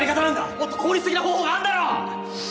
もっと効率的な方法があるだろ！